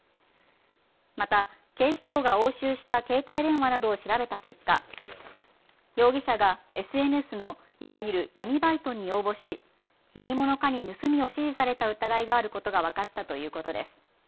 また、警視庁が押収した携帯電話などを調べた結果、容疑者がＳＮＳのいわゆる闇バイトに応募し何者かに盗みを指示された疑いがあることが分かったということです。